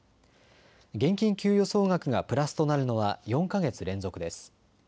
現金給与総額がプラスとなるのは４か月連続です。